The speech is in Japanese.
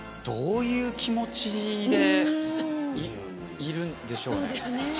どういう気持ちでいるんでしょうね？